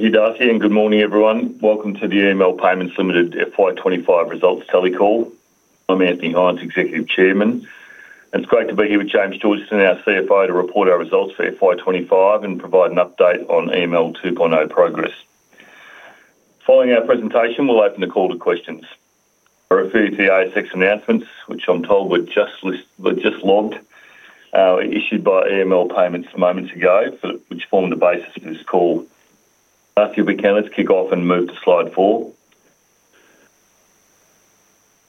Good afternoon, good morning everyone. Welcome to the EML Payments Ltd FY 2025 Results Telecall. I'm Anthony Hynes, Executive Chairman, and it's great to be here with James Georgeson, our CFO, to report our results for FY 2025 and provide an update on EML 2.0 progress. Following our presentation, we'll open the call to questions. I refer you to the ASX announcements, which I'm told were just logged, issued by EML Payments moments ago, which formed the basis of this call. Let's kick off and move to slide four.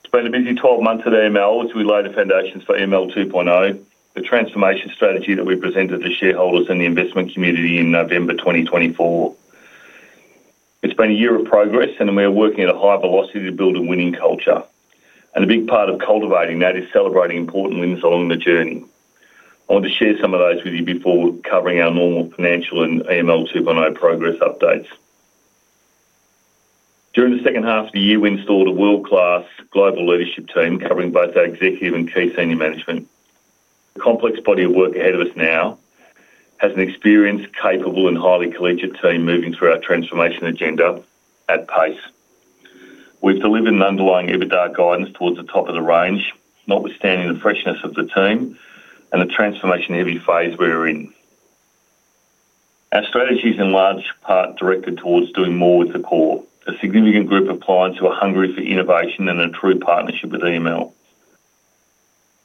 It's been a busy 12 months at EML, which we laid the foundations for EML 2.0, the transformation strategy that we presented to shareholders and the investment community in November 2024. It's been a year of progress, and we're working at a high velocity to build a winning culture. A big part of cultivating that is celebrating important wins along the journey. I want to share some of those with you before covering our normal financial and EML 2.0 progress updates. During the second half of the year, we installed a world-class global leadership team covering both our executive and key senior management. A complex body of work ahead of us now has an experienced, capable, and highly collegiate team moving through our transformation agenda at pace. We've delivered an underlying EBITDA guidance towards the top of the range, notwithstanding the freshness of the team and the transformation heavy phase we're in. Our strategy is in large part directed towards doing more with the core. A significant group of clients who are hungry for innovation and a true partnership with EML.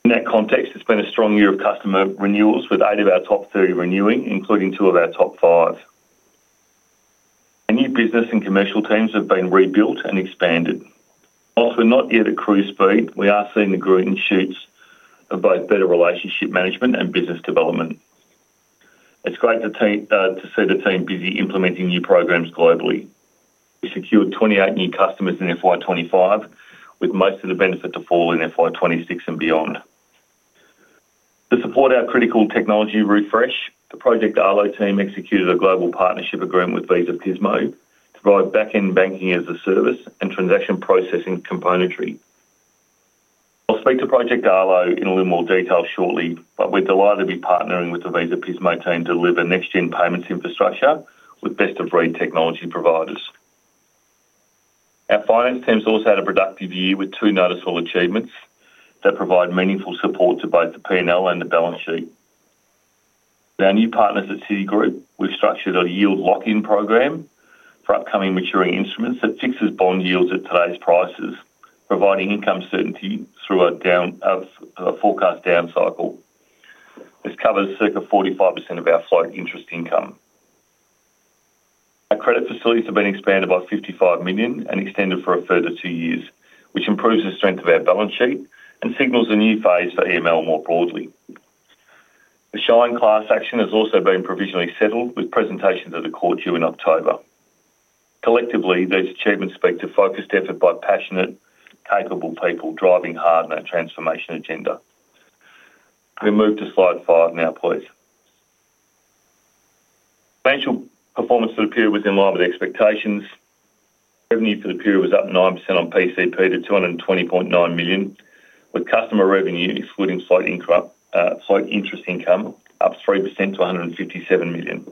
In that context, it's been a strong year of customer renewals, with eight of our top 30 renewing, including two of our top five. Our new business and commercial teams have been rebuilt and expanded. Whilst we're not yet at cruise speed, we are seeing the growing shoots of both better relationship management and business development. It's great to see the team busy implementing new programs globally. We secured 28 new customers in FY 2025, with most of the benefit to fall in FY 2026 and beyond. To support our critical technology refresh, the Project Arlo team executed a global partnership agreement with Visa Pismo to provide backend banking as a service and transaction processing componentry. I'll speak to Project Arlo in a little more detail shortly, but we're delighted to be partnering with the Visa Pismo team to deliver next-gen payments infrastructure with best-of-breed technology providers. Our finance teams also had a productive year with two noticeable achievements that provide meaningful support to both the P&L and the balance sheet. With our new partners at Citigroup, we've structured a yield lock-in program for upcoming maturing instruments that fixes bond yields at today's prices, providing income certainty through a forecast down cycle. This covers circa 45% of our float interest income. Our credit facilities have been expanded by $55 million and extended for a further two years, which improves the strength of our balance sheet and signals a new phase for EML Payments Ltd more broadly. The Shine class action has also been provisionally settled with presentations to the court due in October. Collectively, these achievements speak to focused effort by passionate, capable people driving hard on our transformation agenda. We move to slide five now, please. Financial performance for the period was in line with expectations. Revenue for the period was up 9% on PCP to $220.9 million, with customer revenue, excluding float interest income, up 3% to $157 million.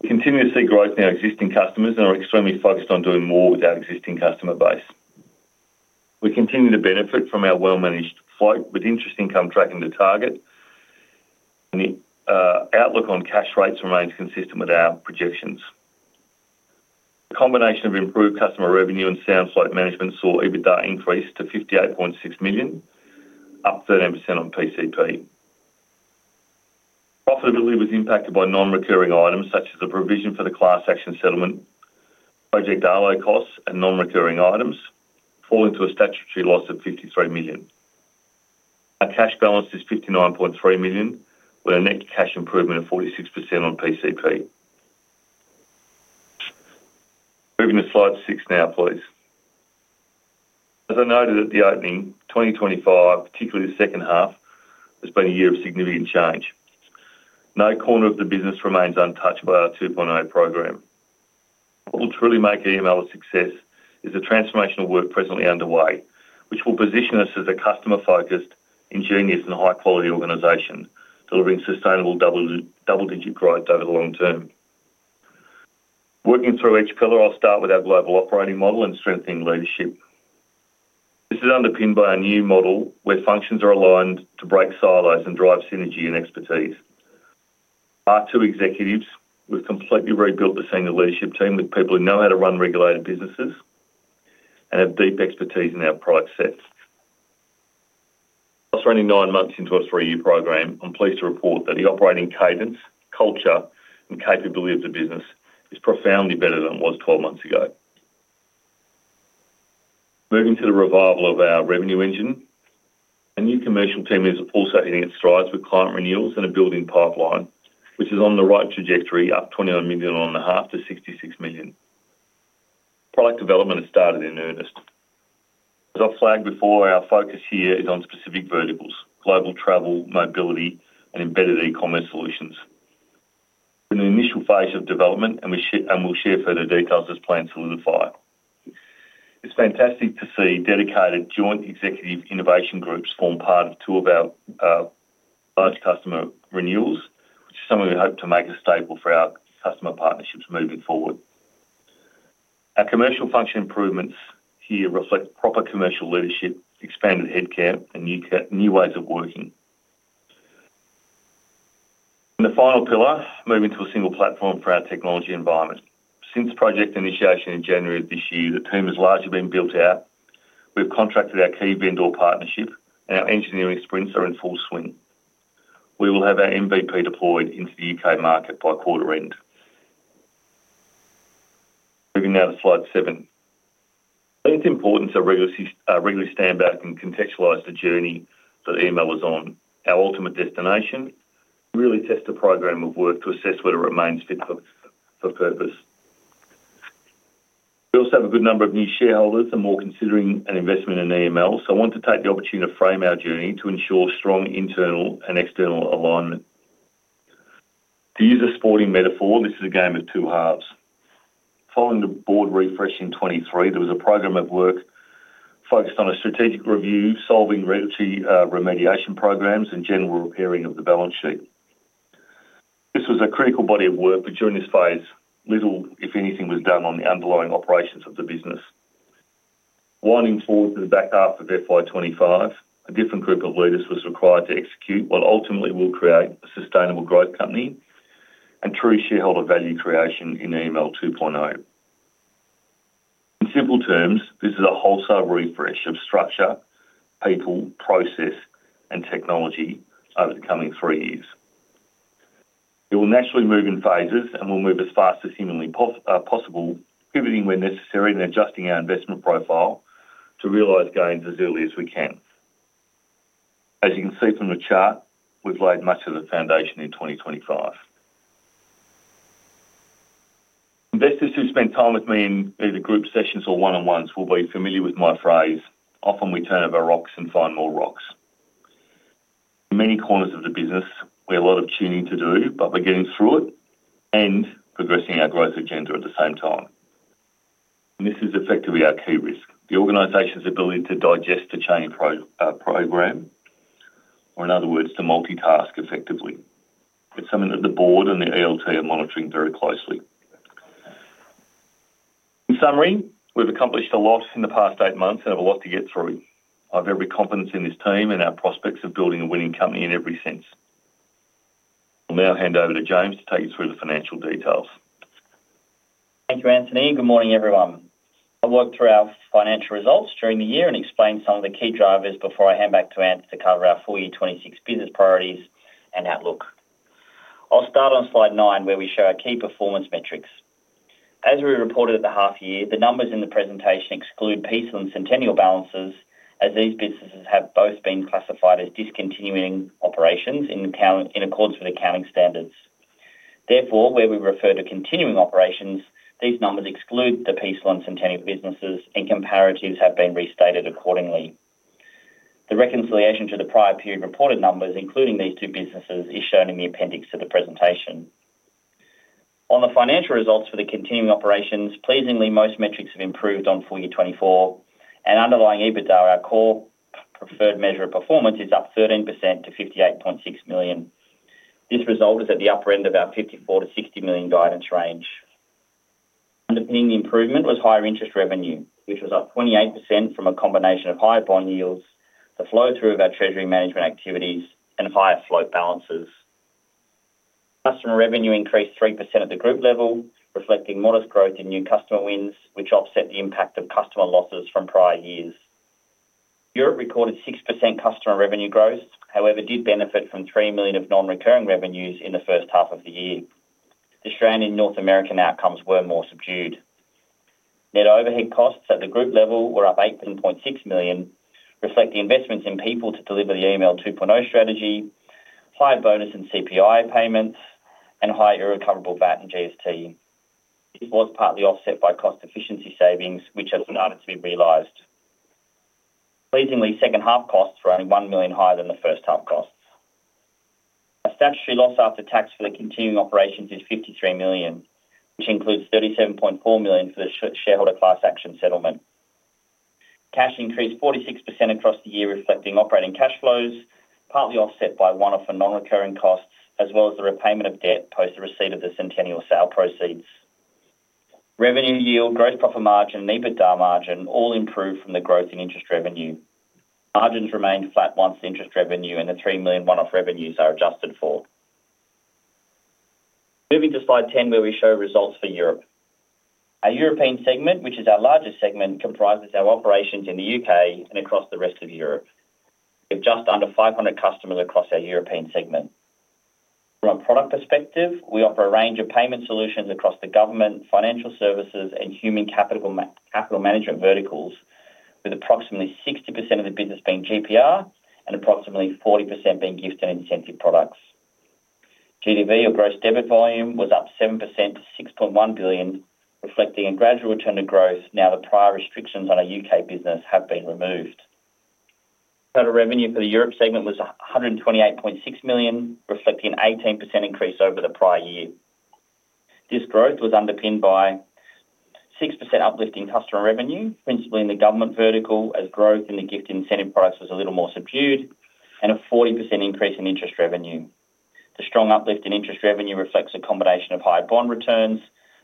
We continue to see growth in our existing customers and are extremely focused on doing more with our existing customer base. We continue to benefit from our well-managed float with interest income tracking to target, and the outlook on cash rates remains consistent with our projections. A combination of improved customer revenue and sound float management saw EBITDA increase to $58.6 million, up 13% on PCP. Profitability was impacted by non-recurring items such as the provision for the class action settlement, Project Arlo costs, and non-recurring items falling to a statutory loss of $53 million. Our cash balance is $59.3 million, with a net cash improvement of 46% on PCP. Moving to slide six now, please. As I noted at the opening, 2025, particularly the second half, has been a year of significant change. No corner of the business remains untouched by our 2.0 program. What will truly make EML a success is the transformational work presently underway, which will position us as a customer-focused, ingenious, and high-quality organization, delivering sustainable double-digit growth over the long term. Working through each pillar, I'll start with our global operating model and strengthening leadership. This is underpinned by a new model where functions are aligned to break silos and drive synergy and expertise. Our two executives have completely rebuilt the senior leadership team with people who know how to run regulated businesses and have deep expertise in our product sets. We're only nine months into a three-year program. I'm pleased to report that the operating cadence, culture, and capability of the business is profoundly better than it was 12 months ago. Moving to the revival of our revenue engine, a new commercial team is also hitting its strides with client renewals and a building pipeline, which is on the right trajectory, up $21 million on the half to $66 million. Product development has started in earnest. As I've flagged before, our focus here is on specific verticals: global travel, mobility, and embedded e-commerce solutions. We're in the initial phase of development, and we'll share further details as plans solidify. It's fantastic to see dedicated joint executive innovation groups form part of two of our large customer renewals, which is something we hope to make a staple for our customer partnerships moving forward. Our commercial function improvements here reflect proper commercial leadership, expanded headcount, and new ways of working. In the final pillar, moving to a single platform for our technology environment. Since project initiation in January of this year, the team has largely been built out. We've contracted our key vendor partnership, and our engineering sprints are in full swing. We will have our MVP deployed into the UK market by quarter end. Moving now to slide seven. I think it's important to regularly stand back and contextualize the journey that EML is on. Our ultimate destination is to really test the program of work to assess whether it remains fit for purpose. We also have a good number of new shareholders and more considering an investment in EML, so I want to take the opportunity to frame our journey to ensure strong internal and external alignment. To use a sporting metaphor, this is a game of two halves. Following the board refresh in 2023, there was a program of work focused on a strategic review, solving realty remediation programs, and general repairing of the balance sheet. This was a critical body of work, but during this phase, little, if anything, was done on the underlying operations of the business. Winding forward to the back half of FY 2025, a different group of leaders was required to execute what ultimately will create a sustainable growth company and true shareholder value creation in EML 2.0. In simple terms, this is a wholesale refresh of structure, people, process, and technology over the coming three years. It will naturally move in phases and will move as fast as humanly possible, pivoting when necessary and adjusting our investment profile to realize gains as early as we can. As you can see from the chart, we've laid much of the foundation in 2025. Investors who spend time with me in either group sessions or one-on-ones will be familiar with my phrase, "Often we turn over rocks and find more rocks." In many corners of the business, we have a lot of tuning to do, but we're getting through it and progressing our growth agenda at the same time. This is effectively our key risk: the organization's ability to digest the chain program, or in other words, to multitask effectively. It's something that the Board and the ELT are monitoring very closely. In summary, we've accomplished a lot in the past eight months and have a lot to get through. I have every confidence in this team and our prospects of building a winning company in every sense. I'll now hand over to James to take you through the financial details. Thank you, Anthony. Good morning, everyone. I'll work through our financial results during the year and explain some of the key drivers before I hand back to Anthony to cover our full-year 2026 business priorities and outlook. I'll start on slide nine, where we show our key performance metrics. As we reported at the half-year, the numbers in the presentation exclude PCL and Sentenial balances, as these businesses have both been classified as discontinuing operations in accordance with accounting standards. Therefore, where we refer to continuing operations, these numbers exclude the PCL and Sentenial businesses, and comparatives have been restated accordingly. The reconciliation to the prior period reported numbers, including these two businesses, is shown in the appendix to the presentation. On the financial results for the continuing operations, most metrics have improved on full year 2024. Underlying EBITDA, our core preferred measure of performance, is up 13% to $58.6 million. This result is at the upper end of our $54 million-$60 million guidance range. The main improvement was higher interest revenue, which was up 28% from a combination of high bond yields, the flow-through of our treasury management activities, and higher float balances. Customer revenue increased 3% at the group level, reflecting modest growth in new customer wins, which offset the impact of customer losses from prior years. Europe reported 6% customer revenue growth; however, did benefit from $3 million of non-recurring revenues in the first half of the year. The Australian and North American outcomes were more subdued. Net overhead costs at the group level were up $18.6 million, reflecting investments in people to deliver the EML 2.0 strategy, higher bonus and CPI payments, and high irrecoverable VAT and GST. This was partly offset by cost efficiency savings, which had started to be realized. Second-half costs were only $1 million higher than the first-half costs. The statutory loss after tax for the continuing operations is $53 million, which includes $37.4 million for the shareholder class action settlement. Cash increased 46% across the year, reflecting operating cash flows, partly offset by one-off and non-recurring costs, as well as the repayment of debt post the receipt of the Sentenial sale proceeds. Revenue yield, gross profit margin, and EBITDA margin all improved from the growth in interest revenue. Margins remained flat once the interest revenue and the $3 million one-off revenues are adjusted for. Moving to slide 10, where we show results for Europe. Our European segment, which is our largest segment, comprises our operations in the UK and across the rest of Europe. We have just under 500 customers across our European segment. From a product perspective, we offer a range of payment solutions across the government, financial services, and human capital management verticals, with approximately 60% of the business being GPR and approximately 40% being gift and incentive products. GDV, or gross debit volume, was up 7% to $6.1 billion, reflecting a gradual return to growth. Now, the prior restrictions on our UK business have been removed. Total revenue for the Europe segment was $128.6 million, reflecting an 18% increase over the prior year. This growth was underpinned by 6% uplift in customer revenue, principally in the government vertical, as growth in the gift incentive price was a little more subdued, and a 40% increase in interest revenue. The strong uplift in interest revenue reflects a combination of high bond returns,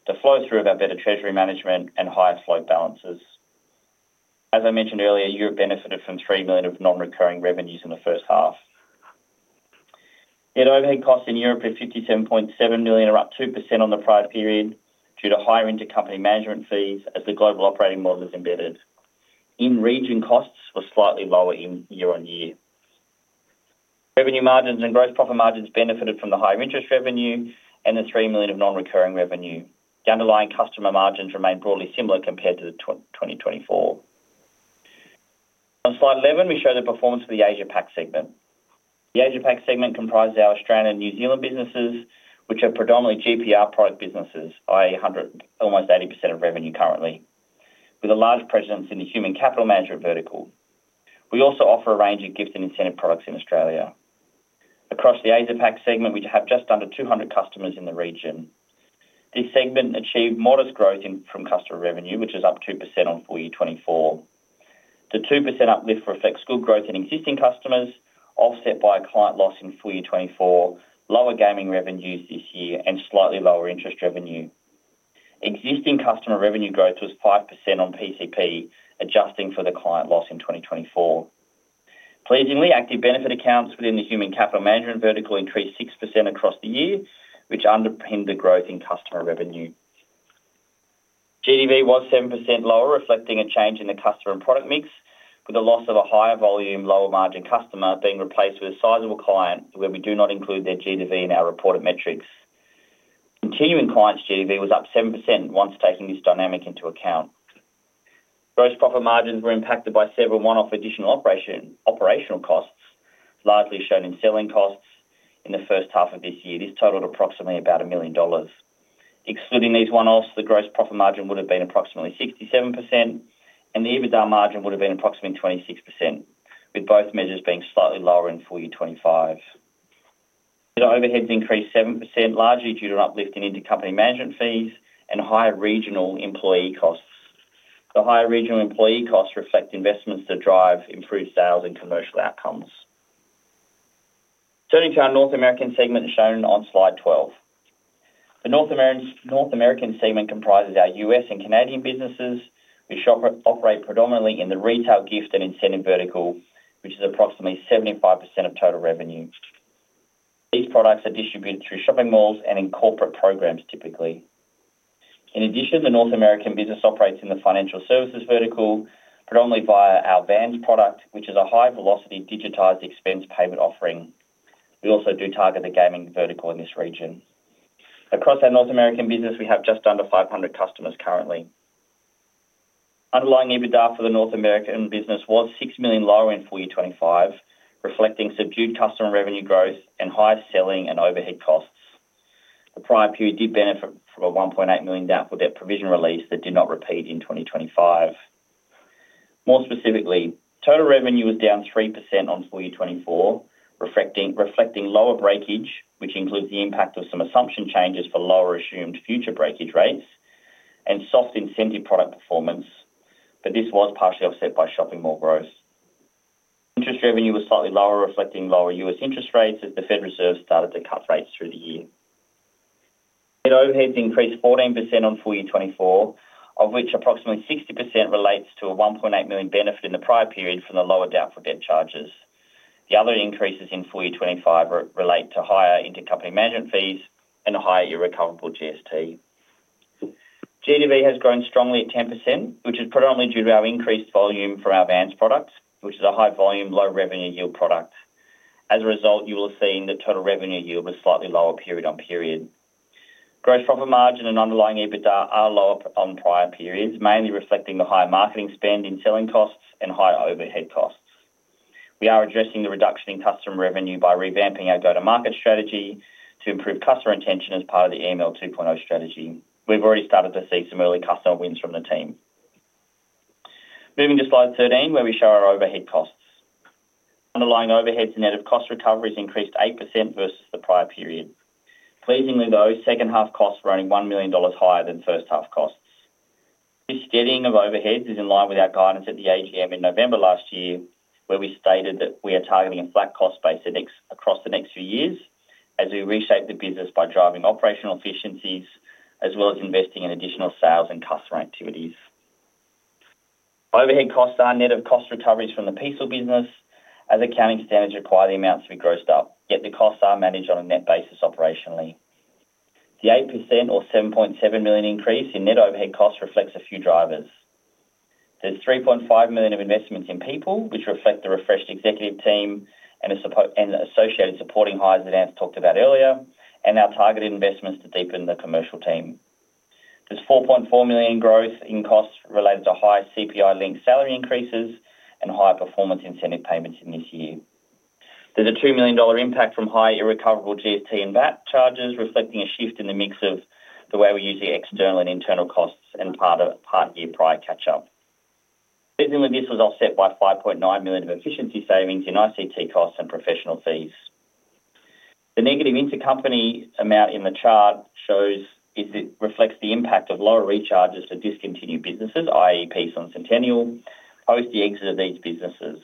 the flow-through of our better treasury management, and higher float balances. As I mentioned earlier, Europe benefited from $3 million of non-recurring revenues in the first half. Net overhead costs in Europe is $57.7 million, are up 2% on the prior period due to higher inter-company management fees as the global operating model is embedded. In region, costs were slightly lower year on year. Revenue margins and gross profit margins benefited from the higher interest revenue and the $3 million of non-recurring revenue. The underlying customer margins remain broadly similar compared to 2024. On slide 11, we show the performance for the Asia-Pacific segment. The Asia-Pacific segment comprises our Australian and New Zealand businesses, which are predominantly GPR product businesses, i.e., 100%, almost 80% of revenue currently, with a large presence in the human capital management vertical. We also offer a range of gift and incentive products in Australia. Across the Asia-Pacific segment, we have just under 200 customers in the region. This segment achieved modest growth from customer revenue, which is up 2% on full year 2024. The 2% uplift reflects good growth in existing customers, offset by a client loss in full-year 2024, lower gaming revenues this year, and slightly lower interest revenue. Existing customer revenue growth was 5% on PCP, adjusting for the client loss in 2024. Pleasingly, active benefit accounts within the human capital management vertical increased 6% across the year, which underpinned the growth in customer revenue. GDV was 7% lower, reflecting a change in the customer and product mix, with the loss of a higher volume, lower margin customer being replaced with a sizable client, where we do not include their GDV in our reported metrics. Continuing clients' GDV was up 7% once taking this dynamic into account. Gross profit margins were impacted by several one-off additional operational costs, largely shown in selling costs in the first half of this year. This totaled approximately $1 million. Excluding these one-offs, the gross profit margin would have been approximately 67%, and the EBITDA margin would have been approximately 26%, with both measures being slightly lower in full-year 2025. The overheads increased 7%, largely due to uplift in inter-company management fees and higher regional employee costs. The higher regional employee costs reflect investments to drive improved sales and commercial outcomes. Turning to our North American segment shown on slide 12. The North American segment comprises our U.S. and Canadian businesses, which operate predominantly in the retail gift and incentive vertical, which is approximately 75% of total revenue. These products are distributed through shopping malls and in corporate programs, typically. In addition, the North American business operates in the financial services vertical, predominantly via our Vans product, which is a high-velocity digitized expense payment offering. We also do target the gaming vertical in this region. Across our North American business, we have just under 500 customers currently. Underlying EBITDA for the North American business was $6 million lower in full year 2025, reflecting subdued customer revenue growth and higher selling and overhead costs. The prior period did benefit from a $1.8 million DAPA debt provision release that did not repeat in 2025. More specifically, total revenue was down 3% on full year 2024, reflecting lower breakage, which includes the impact of some assumption changes for lower assumed future breakage rates and soft incentive product performance, but this was partially offset by shopping mall growth. Interest revenue was slightly lower, reflecting lower U.S. interest rates as the Federal Reserve started to cut rates through the year. In overheads, increased 14% on full year 2024, of which approximately 60% relates to a $1.8 million benefit in the prior period from the lower diffident charges. The other increases in full year 2025 relate to higher inter-company management fees and a higher irrecoverable GST. GDV has grown strongly at 10%, which is predominantly due to our increased volume for our VANs product, which is a high-volume, low-revenue yield product. As a result, you will see the total revenue yield was slightly lower period on period. Gross profit margin and underlying EBITDA are lower on prior periods, mainly reflecting the higher marketing spend in selling costs and high overhead costs. We are addressing the reduction in customer revenue by revamping our go-to-market strategy to improve customer retention as part of the EML 2.0 strategy. We've already started to see some early customer wins from the team. Moving to slide 13, where we show our overhead costs. Underlying overheads and net of cost recovery has increased 8% versus the prior period. Pleasingly, though, second half costs were only $1 million higher than first half costs. This steadying of overheads is in line with our guidance at the AGM in November last year, where we stated that we are targeting a flat cost base across the next few years as we reshape the business by driving operational efficiencies, as well as investing in additional sales and customer activities. Overhead costs are net of cost recoveries from the PCL business, as accounting standards require the amounts to be grossed up, yet the costs are managed on a net basis operationally. The 8% or $7.7 million increase in net overhead costs reflects a few drivers. There's $3.5 million of investments in people, which reflect the refreshed executive team and associated supporting hires that Anthony Hynes talked about earlier, and our targeted investments to deepen the commercial team. There's $4.4 million in growth in costs related to high CPI-linked salary increases and higher performance incentive payments in this year. There's a $2 million impact from high irrecoverable GST and VAT charges, reflecting a shift in the mix of the way we're using external and internal costs and part of part-year prior catch-up. Pleasingly, this was offset by $5.9 million of efficiency savings in ICT costs and professional fees. The negative intercompany amount in the chart shows it reflects the impact of lower recharges to discontinued businesses, i.e., PCL and Sentenial, post the exit of these businesses.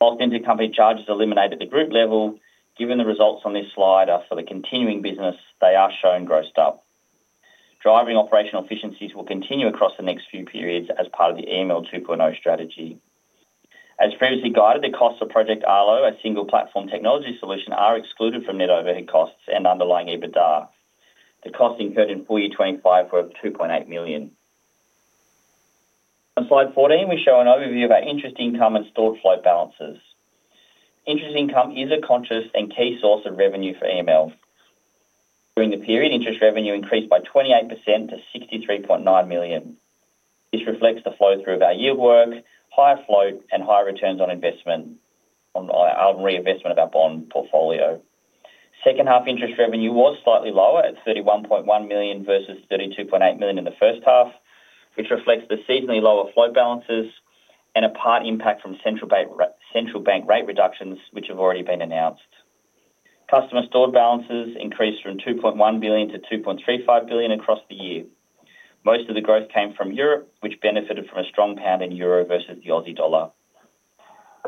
Whilst intercompany charges eliminated at the group level, given the results on this slide are for the continuing business, they are shown grossed up. Driving operational efficiencies will continue across the next few periods as part of the EML 2.0 strategy. As previously guided, the costs of Project Arlo, a single platform technology solution, are excluded from net overhead costs and underlying EBITDA. The costs incurred in full year 2025 were over $2.8 million. On slide 14, we show an overview of our interest income and stored float balances. Interest income is a conscious and key source of revenue for EML. During the period, interest revenue increased by 28% to $63.9 million. This reflects the flow-through of our yield work, higher float, and higher returns on investment, on our reinvestment of our bond portfolio. Second half interest revenue was slightly lower at $31.1 million versus $32.8 million in the first half, which reflects the seasonally lower float balances and a part impact from central bank rate reductions, which have already been announced. Customer stored balances increased from $2.1 billion to $2.35 billion across the year. Most of the growth came from Europe, which benefited from a strong pound and euro versus the Aussie dollar.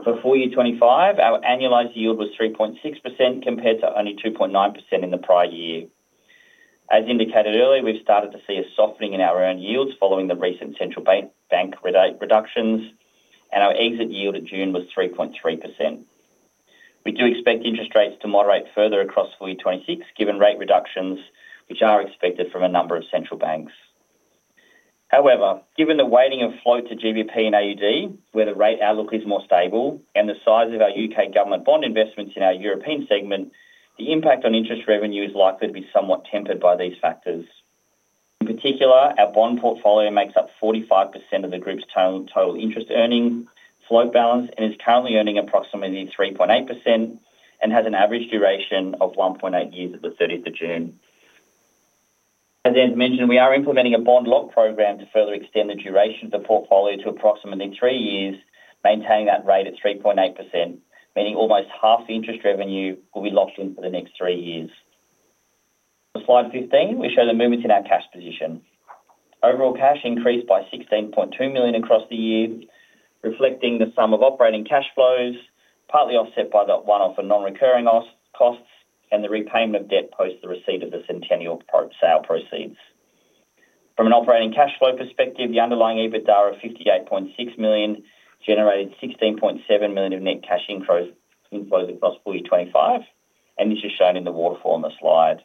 For full year 2025, our annualized yield was 3.6% compared to only 2.9% in the prior year. As indicated earlier, we've started to see a softening in our own yields following the recent central bank reductions, and our exit yield at June was 3.3%. We do expect interest rates to moderate further across full year 2026, given rate reductions, which are expected from a number of central banks. However, given the weighting of flow to GBP and AUD, where the rate outlook is more stable, and the size of our UK government bond investments in our European segment, the impact on interest revenue is likely to be somewhat tempered by these factors. In particular, our bond portfolio makes up 45% of the group's total interest earning float balance and is currently earning approximately 3.8% and has an average duration of 1.8 years at the 30th of June. As I mentioned, we are implementing a bond lock program to further extend the duration of the portfolio to approximately three years, maintaining that rate at 3.8%, meaning almost half the interest revenue will be locked in for the next three years. On slide 15, we show the movements in our cash position. Overall cash increased by $16.2 million across the year, reflecting the sum of operating cash flows, partly offset by the one-off and non-recurring costs, and the repayment of debt post the receipt of the Sentenial sale proceeds. From an operating cash flow perspective, the underlying EBITDA of $58.6 million generated $16.7 million of net cash inflows across full year 2025, and this is shown in the water form of slides.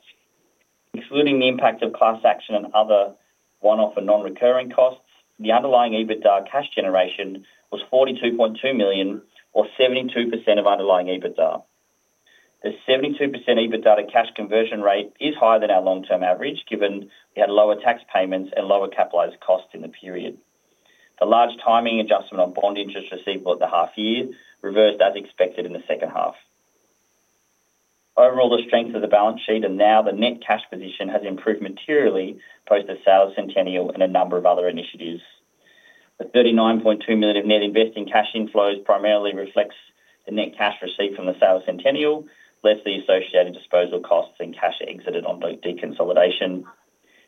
Excluding the impact of class action and other one-off and non-recurring costs, the underlying EBITDA cash generation was $42.2 million, or 72% of underlying EBITDA. The 72% EBITDA to cash conversion rate is higher than our long-term average, given we had lower tax payments and lower capitalized costs in the period. The large timing adjustment on bond interest received throughout the half year reversed, as expected, in the second half. Overall, the strength of the balance sheet and now the net cash position has improved materially post the sale of Sentenial and a number of other initiatives. The $39.2 million of net investing cash inflows primarily reflect the net cash received from the sale of Sentenial, less the associated disposal costs and cash exited on both deconsolidation.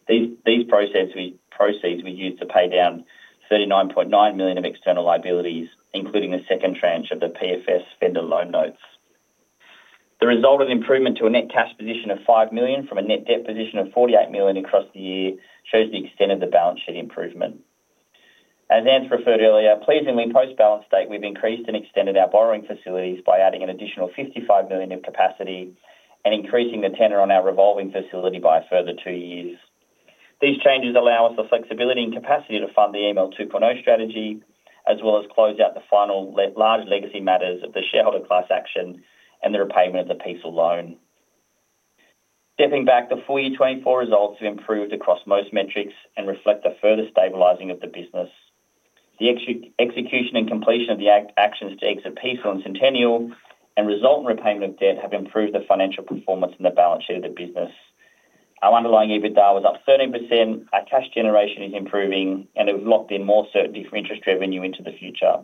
These proceeds we used to pay down $39.9 million of external liabilities, including the second tranche of the PFS Spender loan notes. The resultant improvement to a net cash position of $5 million from a net debt position of $48 million across the year shows the extent of the balance sheet improvement. As Anthony referred earlier, pleasingly, post-balance date, we've increased and extended our borrowing facilities by adding an additional $55 million of capacity and increasing the tenure on our revolving facility by a further two years. These changes allow us the flexibility and capacity to fund the EML 2.0 strategy, as well as close out the final large legacy matters of the shareholder class action and the repayment of the PCL loan. Stepping back, the full year 2024 results have improved across most metrics and reflect a further stabilizing of the business. The execution and completion of the actions to exit PCL and Sentenial and result in repayment of debt have improved the financial performance and the balance sheet of the business. Our underlying EBITDA was up 13%, our cash generation is improving, and we've locked in more certainty for interest revenue into the future.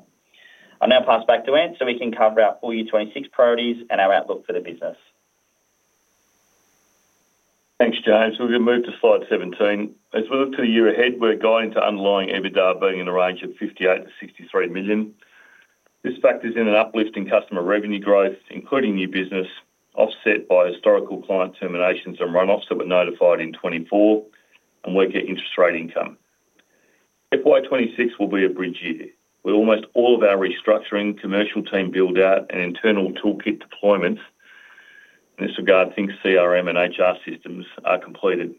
I'll now pass back to Anthony so we can cover our full year 2026 priorities and our outlook for the business. Thanks, James. We're going to move to slide 17. As we look to the year ahead, we're guiding to underlying EBITDA being in a range of $58 million-$63 million. This factors in an uplift in customer revenue growth, including new business, offset by historical client terminations and runoffs that were notified in 2024, and weaker interest rate income. FY 2026 will be a bridge year with almost all of our restructuring, commercial team buildout, and internal toolkit deployments. In this regard, things like CRM and HR systems are completed.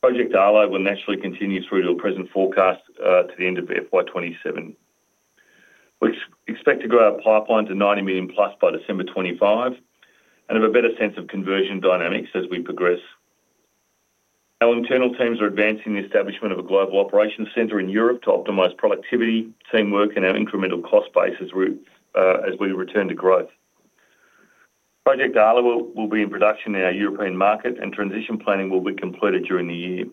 Project Arlo will naturally continue through to a present forecast to the end of FY 2027. We expect to grow our pipeline to $90 million+ by December 2025 and have a better sense of conversion dynamics as we progress. Our internal teams are advancing the establishment of a global operations center in Europe to optimize productivity, teamwork, and our incremental cost base as we return to growth. Project Arlo will be in production in our European market, and transition planning will be completed during the year.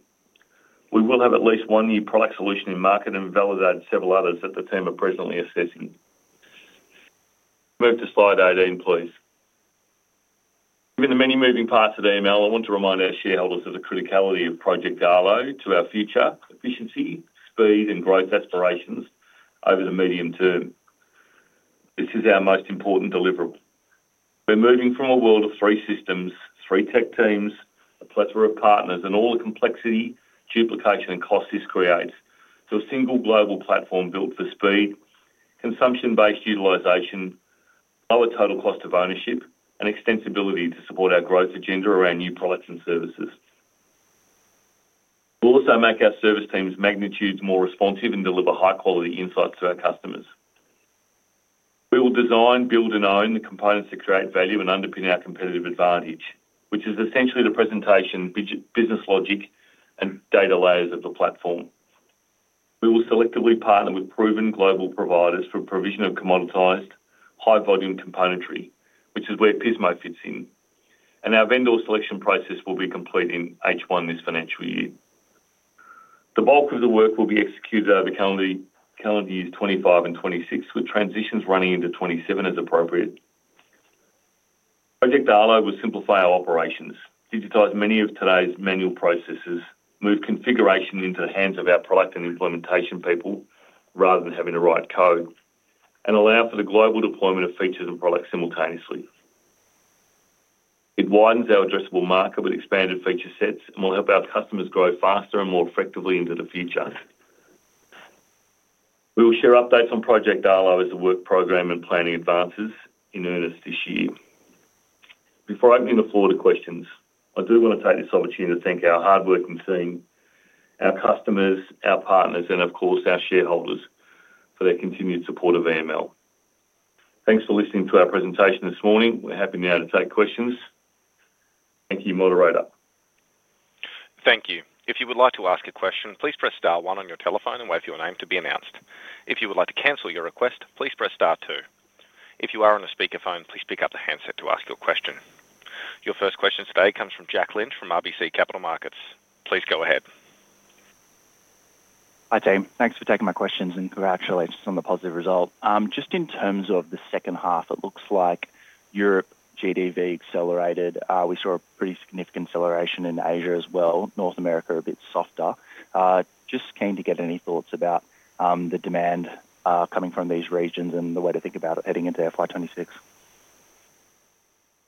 We will have at least one new product solution in market and validate several others that the team are presently assessing. Move to slide 18, please. Given the many moving parts of EML, I want to remind our shareholders of the criticality of Project Arlo to our future efficiency, speed, and growth aspirations over the medium term. This is our most important deliverable. We're moving from a world of three systems, three tech teams, a plethora of partners, and all the complexity, duplication, and cost this creates. A single global platform built for speed, consumption-based utilization, lower total cost of ownership, and extensibility to support our growth agenda around new products and services. We'll also make our service teams magnitudes more responsive and deliver high-quality insights to our customers. We will design, build, and own the components to create value and underpin our competitive advantage, which is essentially the presentation, business logic, and data layers of the platform. We will selectively partner with proven global providers for provision of commoditized, high-volume componentry, which is where Pismo fits in. Our vendor selection process will be complete in H1 this financial year. The bulk of the work will be executed over calendar years 2025 and 2026, with transitions running into 2027 as appropriate. Project Arlo will simplify our operations, digitize many of today's manual processes, move configuration into the hands of our product and implementation people rather than having to write code, and allow for the global deployment of features and products simultaneously. It widens our addressable market with expanded feature sets and will help our customers grow faster and more effectively into the future. We will share updates on Project Arlo as the work program and planning advances in earnest this year. Before opening the floor to questions, I do want to take this opportunity to thank our hardworking team, our customers, our partners, and of course, our shareholders for their continued support of EML. Thanks for listening to our presentation this morning. We're happy now to take questions. Thank you, moderator. Thank you. If you would like to ask a question, please press star one on your telephone and wait for your name to be announced. If you would like to cancel your request, please press star two. If you are on a speakerphone, please pick up the handset to ask your question. Your first question today comes from Jack Lynch from RBC Capital Markets. Please go ahead. Hi team. Thanks for taking my questions and congratulations on the positive result. Just in terms of the second half, it looks like Europe GDV accelerated. We saw a pretty significant acceleration in Asia as well. North America are a bit softer. Just keen to get any thoughts about the demand coming from these regions and the way to think about heading into FY 2026.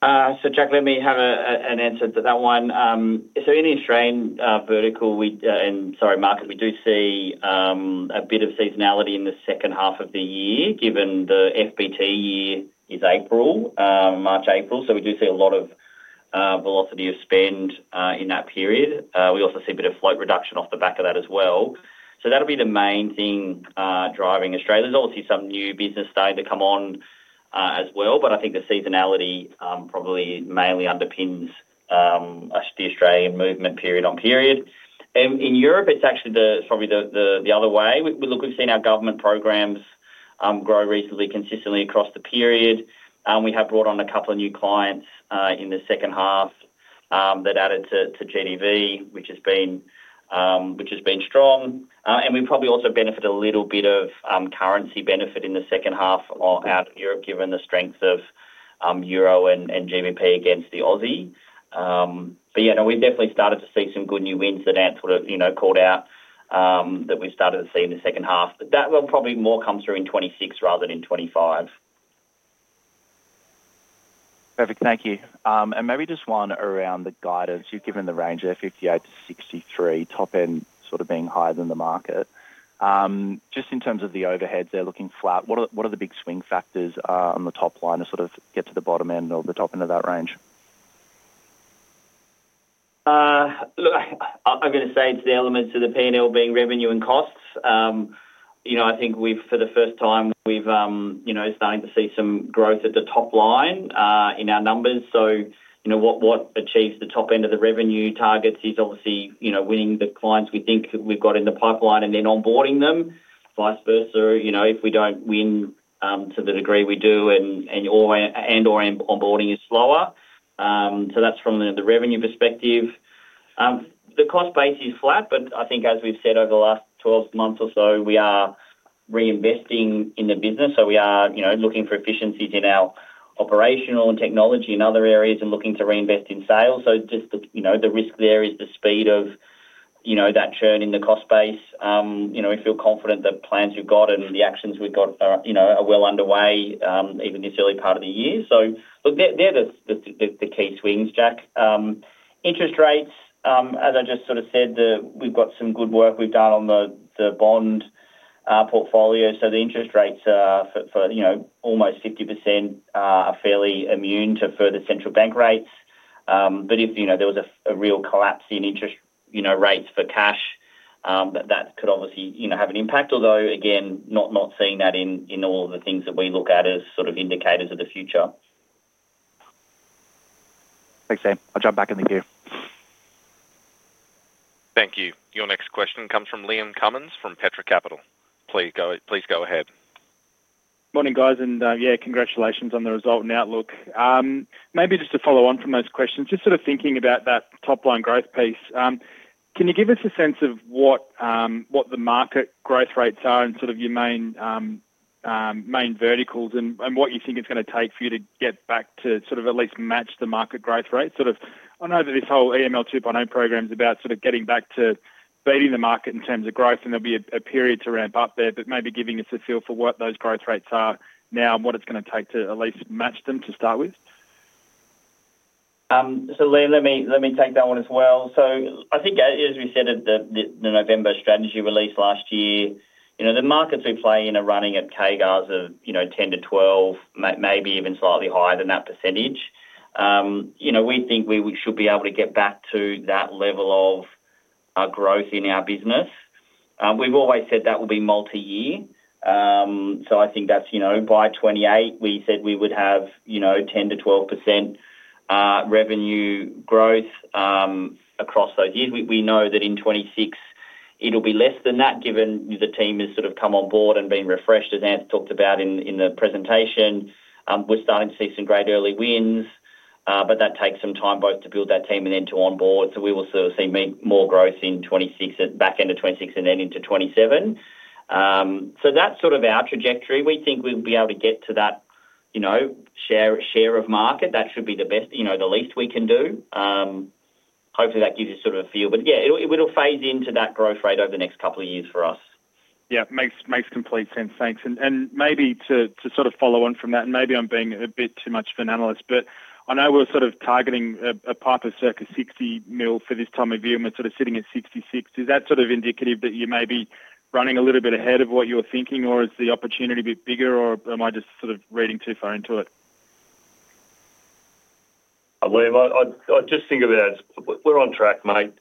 Let me have an answer to that one. In the Australian vertical, and sorry, market, we do see a bit of seasonality in the second half of the year given the FBT year is April, March, April. We do see a lot of velocity of spend in that period. We also see a bit of float reduction off the back of that as well. That'll be the main thing driving Australia. There's obviously some new business data come on as well, but I think the seasonality probably mainly underpins the Australian movement period on period. In Europe, it's actually probably the other way. We've seen our government programs grow reasonably consistently across the period. We have brought on a couple of new clients in the second half that added to GDV, which has been strong. We probably also benefit a little bit of currency benefit in the second half out of Europe given the strength of euro and GBP against the Aussie. Yeah, we've definitely started to see some good new wins that Anthony called out that we started to see in the second half. That will probably more come through in 2026 rather than in 2025. Perfect. Thank you. Maybe just one around the guidance. You've given the range of $58 million-$63 million, top end sort of being higher than the market. Just in terms of the overheads, they're looking flat. What are the big swing factors on the top line to sort of get to the bottom end or the top end of that range? I'm going to say it's the elements of the P&L being revenue and costs. I think for the first time, we've started to see some growth at the top line in our numbers. What achieves the top end of the revenue targets is obviously winning the clients we think we've got in the pipeline and then onboarding them. Vice versa, if we don't win to the degree we do and/or onboarding is slower. That's from the revenue perspective. The cost base is flat, but I think as we've said over the last 12 months or so, we are reinvesting in the business. We are looking for efficiencies in our operational and technology, and other areas, and looking to reinvest in sales. The risk there is the speed of that churn in the cost base. We feel confident that plans we've got and the actions we've got are well underway even this early part of the year. They're the key swings, Jack. Interest rates, as I just sort of said, we've got some good work we've done on the bond portfolio. The interest rates are for almost 50% are fairly immune to further central bank rates. If there was a real collapse in interest rates for cash, that could obviously have an impact. Although, again, not seeing that in all of the things that we look at as indicators of the future. Thanks, team. I'll jump back in the queue. Thank you. Your next question comes from Liam Cummins from Petra Capital. Please go ahead. Morning, guys. Congratulations on the result and outlook. Maybe just to follow on from those questions, just sort of thinking about that top line growth piece, can you give us a sense of what the market growth rates are and sort of your main verticals and what you think it's going to take for you to get back to at least match the market growth rate? I know that this whole EML 2.0 program is about getting back to beating the market in terms of growth, and there'll be a period to ramp up there, but maybe giving us a feel for what those growth rates are now and what it's going to take to at least match them to start with. Let me take that one as well. I think, as we said, the November strategy release last year, the markets we play in are running at CAGRs of 10%-12%, maybe even slightly higher than that. We think we should be able to get back to that level of growth in our business. We've always said that will be multi-year. By 2028, we said we would have 10%-12% revenue growth across those years. We know that in 2026, it'll be less than that given the team has sort of come on board and been refreshed, as Anthony talked about in the presentation. We're starting to see some great early wins, but that takes some time both to build that team and then to onboard. We will see more growth in 2026, at the back end of 2026, and then into 2027. That's our trajectory. We think we'll be able to get to that share of market. That should be the best, the least we can do. Hopefully, that gives you a feel. It'll phase into that growth rate over the next couple of years for us. Yeah, makes complete sense. Thanks. Maybe to sort of follow on from that, maybe I'm being a bit too much of an analyst, but I know we're sort of targeting a pipe of circa $60 million for this time of year, and we're sort of sitting at $66 million. Is that sort of indicative that you're maybe running a little bit ahead of what you were thinking, or is the opportunity a bit bigger, or am I just sort of reading too far into it? I believe I just think of that as we're on track, mate.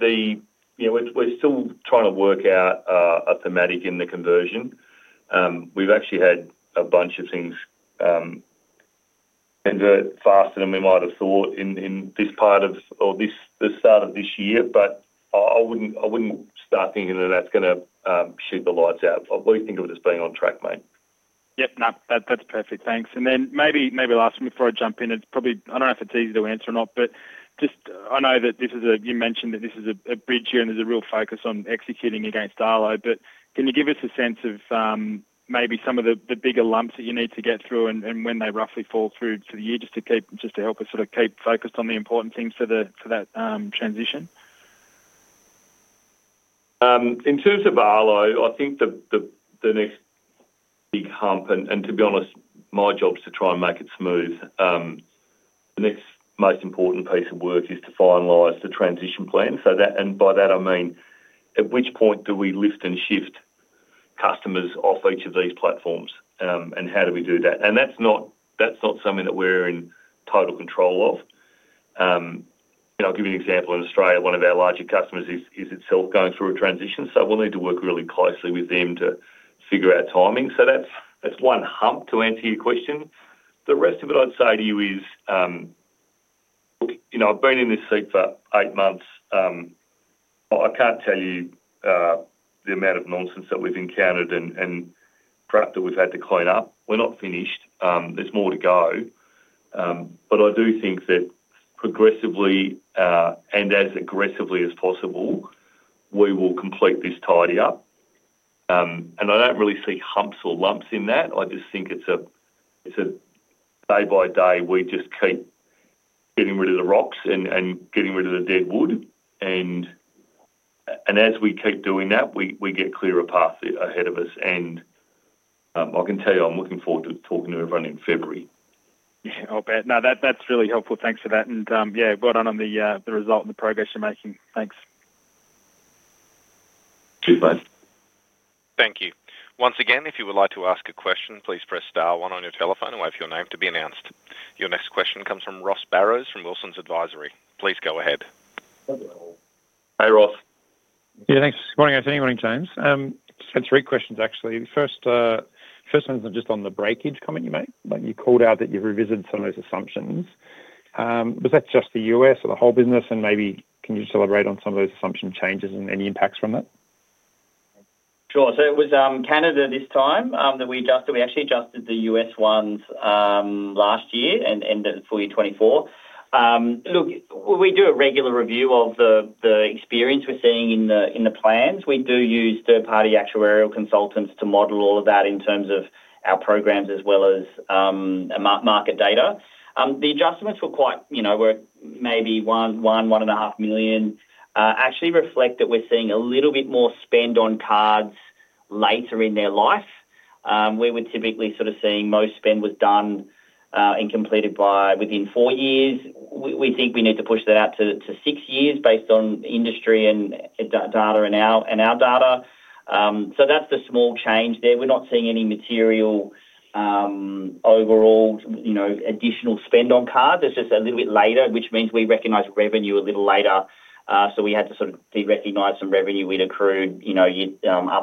You know, we're still trying to work out a thematic in the conversion. We've actually had a bunch of things convert faster than we might have thought in this part of or the start of this year, but I wouldn't start thinking that that's going to shoot the lights out. We think of it as being on track, mate. Yes, that's perfect. Thanks. Maybe last thing before I jump in, it's probably, I don't know if it's easy to answer or not, but I know that this is a, you mentioned that this is a bridge year and there's a real focus on executing against Project Arlo. Can you give us a sense of maybe some of the bigger lumps that you need to get through and when they roughly fall through for the year, just to help us sort of keep focused on the important things for that transition? In terms of Project Arlo, I think the next big hump, and to be honest, my job is to try and make it smooth. The next most important piece of work is to finalize the transition plan. By that, I mean at which point do we lift and shift customers off each of these platforms and how do we do that? That's not something that we're in total control of. I'll give you an example. In Australia, one of our larger customers is itself going through a transition, so we'll need to work really closely with them to figure out timing. That's one hump to answer your question. The rest of it I'd say to you is, I've been in this seat for eight months. I can't tell you the amount of nonsense that we've encountered and crap that we've had to clean up. We're not finished. There's more to go. I do think that progressively and as aggressively as possible, we will complete this tidy up. I don't really see humps or lumps in that. I just think it's a day by day, we just keep getting rid of the rocks and getting rid of the dead wood. As we keep doing that, we get clearer paths ahead of us. I can tell you I'm looking forward to talking to everyone in February. Yeah, I bet. No, that's really helpful. Thanks for that. Yeah, well done on the result and the progress you're making. Thanks. Cheers, mate. Thank you. Once again, if you would like to ask a question, please press star one on your telephone and wait for your name to be announced. Your next question comes from Ross Barrows from Wilsons Advisory. Please go ahead. Hey, Ross. Yeah, thanks. Good morning, Anthony. Morning, James. I just had three questions, actually. The first one is just on the breakage comment you made. You called out that you've revisited some of those assumptions. Was that just the U.S. or the whole business? Maybe can you just elaborate on some of those assumption changes and any impacts from that? Sure. It was Canada this time that we adjusted. We actually adjusted the U.S. ones last year and ended it for year 2024. We do a regular review of the experience we're seeing in the plans. We do use third-party actuarial consultants to model all of that in terms of our programs as well as market data. The adjustments were quite, you know, maybe $1 million, $1.5 million. Actually, reflect that we're seeing a little bit more spend on cards later in their life. We were typically sort of seeing most spend was done and completed within four years. We think we need to push that out to six years based on industry and data and our data. That's the small change there. We're not seeing any material overall, you know, additional spend on cards. It's just a little bit later, which means we recognize revenue a little later. We had to sort of de-recognize some revenue we'd accrued, you know,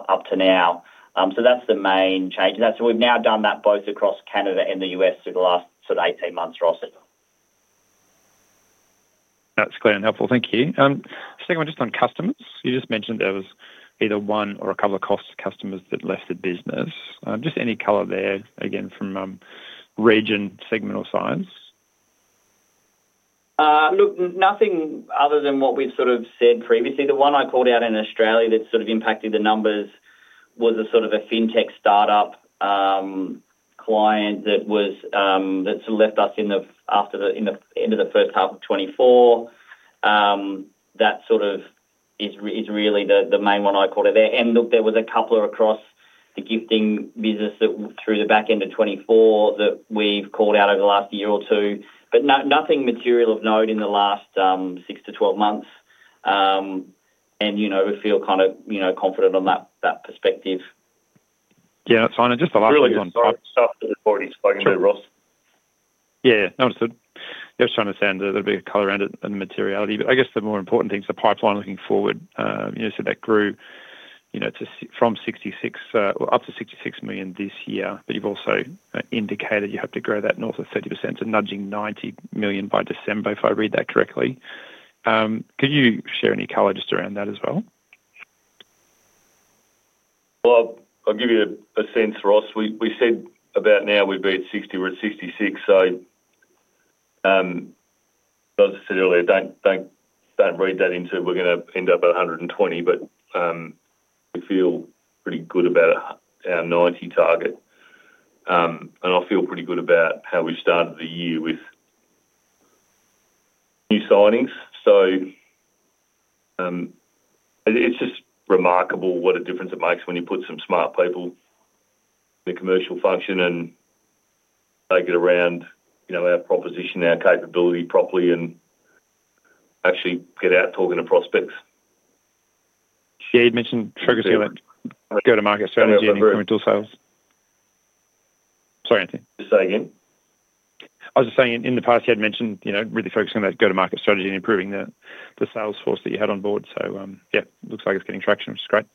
up to now. That's the main change. We've now done that both across Canada and the U.S. for the last 18 months, Ross. That's clear and helpful. Thank you. Second one, just on customers. You just mentioned there was either one or a couple of customers that left the business. Just any color there, again, from region, segment, or size. Look, nothing other than what we've sort of said previously. The one I called out in Australia that impacted the numbers was a fintech startup client that left us at the end of the first half of 2024. That is really the main one I called out there. There were a couple across the gifting business through the back end of 2024 that we've called out over the last year or two. Nothing material of note in the last 6-12 months. We feel kind of confident on that perspective. That's fine. Just the last thing on. Sorry, I'll stop at the 40s if I can do, Ross. Yeah, understood. I was trying to understand that there'd be a color around it and materiality. I guess the more important thing is the pipeline looking forward. That grew from $66 million up to $66 million this year. You've also indicated you hope to grow that north of 30% to nudging $90 million by December, if I read that correctly. Could you share any color just around that as well? I’ll give you a sense, Ross. We said about now we'd be at $60 million. We're at $66 million. As I said earlier, don't read that into it. We're going to end up at $120 million. We feel pretty good about our $90 million target, and I feel pretty good about how we started the year with new signings. It's just remarkable what a difference it makes when you put some smart people in the commercial function and make it around, you know, our proposition, our capability properly, and actually get out talking to prospects. She had mentioned focusing on that go-to-market strategy and incremental sales. Sorry, Anthony. Say again? I was just saying in the past, he had mentioned, you know, really focusing on that go-to-market strategy and improving the sales force that you had on board. It looks like it's getting traction, which is great.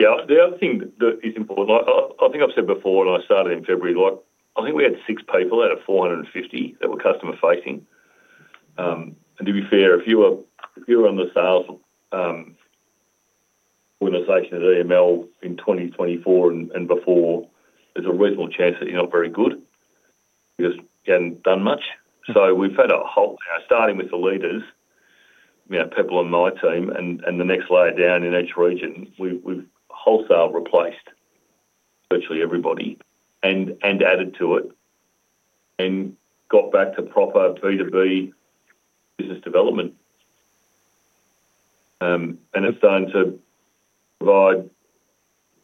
Yeah, the other thing that is important, I think I've said before when I started in February, I think we had six people out of 450 that were customer-facing. To be fair, if you were on the sales organization at EML in 2024 and before, there's a reasonable chance that you're not very good because you haven't done much. We've had a whole, starting with the leaders, people on my team, and the next layer down in each region, we've wholesale replaced virtually everybody and added to it and got back to proper B2B business development and have done to provide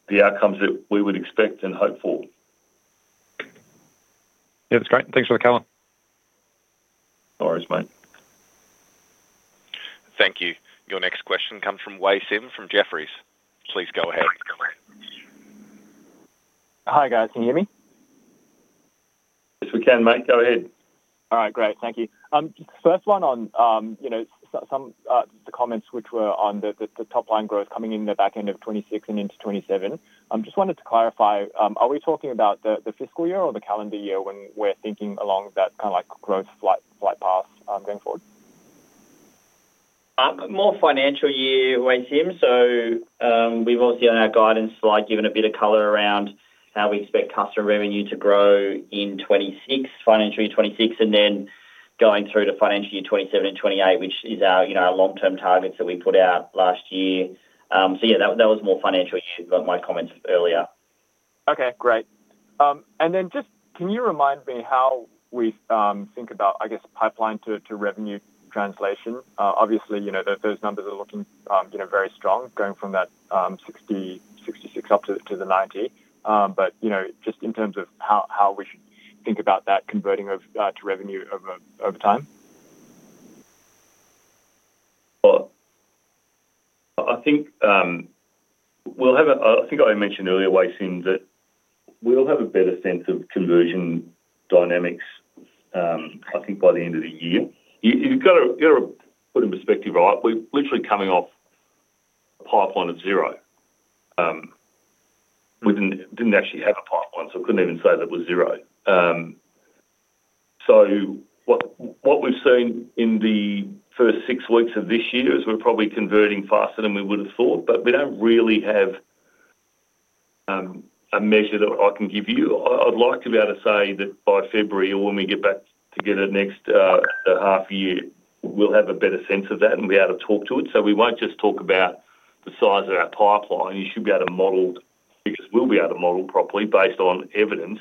the outcomes that we would expect and hope for. Yeah, that's great. Thanks for the color. No worries, mate. Thank you. Your next question comes from Wei Sim from Jefferies. Please go ahead. Hi guys, can you hear me? Yes, we can, mate. Go ahead. All right, great. Thank you. The first one on, you know, some of the comments which were on the top line growth coming in the back end of 2026 and into 2027. I just wanted to clarify, are we talking about the fiscal year or the calendar year when we're thinking along that kind of like growth flight path going forward? More financial year, Wei Sim. We've obviously on our guidance slide given a bit of color around how we expect customer revenue to grow in 2026, financial year 2026, and then going through to financial year 2027 and 2028, which is our, you know, our long-term targets that we put out last year. That was more financial year, but my comments earlier. Okay, great. Can you remind me how we think about, I guess, pipeline to revenue translation? Obviously, you know, those numbers are looking, you know, very strong, going from that $60 million, $66 million up to the $90 million. Just in terms of how we think about that, converting to revenue over time. I think we'll have, I think I mentioned earlier, Wei Sim, that we'll have a better sense of conversion dynamics by the end of the year. You've got to put it in perspective, right? We're literally coming off a pipeline of zero. We didn't actually have a pipeline, so I couldn't even say that it was zero. What we've seen in the first six weeks of this year is we're probably converting faster than we would have thought, but we don't really have a measure that I can give you. I'd like to be able to say that by February or when we get back together next half year, we'll have a better sense of that and be able to talk to it. We won't just talk about the size of our pipeline. You should be able to model, because we'll be able to model properly based on evidence,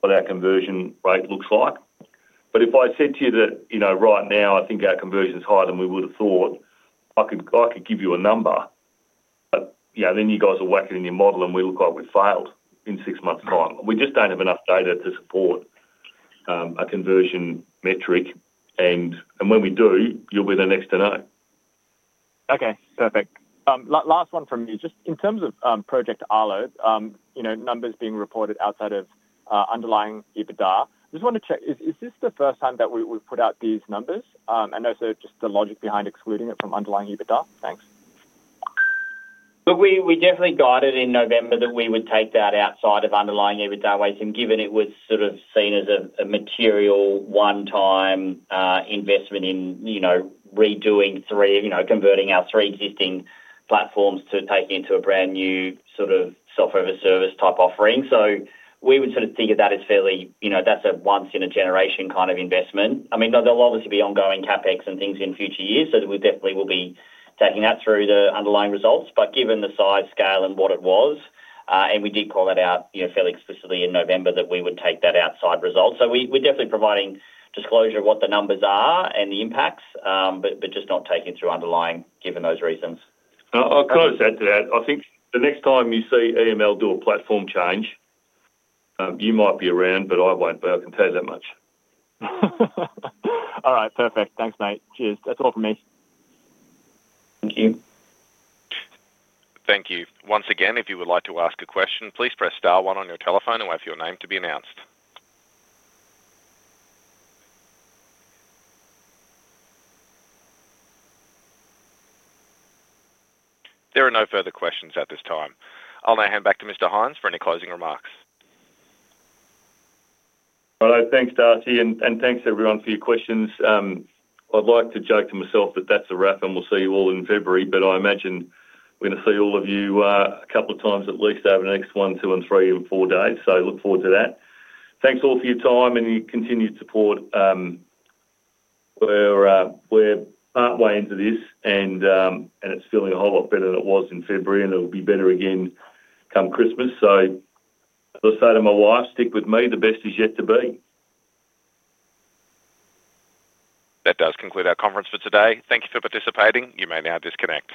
what our conversion rate looks like. If I said to you that right now I think our conversion is higher than we would have thought, I could give you a number, but then you guys are wacking in your model and we look like we've failed in six months' time. We just don't have enough data to support a conversion metric, and when we do, you'll be the next to know. Okay, perfect. Last one from you. Just in terms of Project Arlo, you know, numbers being reported outside of underlying EBITDA, I just want to check, is this the first time that we put out these numbers? Also, just the logic behind excluding it from underlying EBITDA? Thanks. We definitely guided in November that we would take that outside of underlying EBITDA weighting, given it was seen as a material one-time investment in redoing three, converting our three existing platforms to take into a brand new software as a service type offering. We would think of that as fairly, that's a once-in-a-generation kind of investment. There'll obviously be ongoing CapEx and things in future years, so we definitely will be taking that through to underlying results. Given the size, scale, and what it was, we did call that out fairly explicitly in November that we wouldn't take that outside results. We're definitely providing disclosure of what the numbers are and the impacts, just not taking it through underlying given those reasons. I'll close that to that. I think the next time you see EML do a platform change, you might be around, but I won't, but I can tell you that much. All right, perfect. Thanks, mate. Cheers. That's all from me. Thank you. Thank you. Once again, if you would like to ask a question, please press star one on your telephone and wait for your name to be announced. There are no further questions at this time. I'll now hand back to Mr. Hynes for any closing remarks. All right, thanks, Darcy, and thanks everyone for your questions. I like to joke to myself that that's a wrap and we'll see you all in February, but I imagine we're going to see all of you a couple of times at least over the next one, two, three, and four days, so look forward to that. Thanks all for your time and your continued support. We're partway into this and it's feeling a whole lot better than it was in February, and it will be better again come Christmas. I'll say to my wife, stick with me, the best is yet to be. That does conclude our conference for today. Thank you for participating. You may now disconnect.